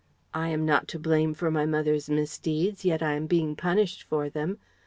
I am not to blame for my mother's misdeeds, yet I am being punished for them.